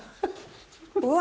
うわ！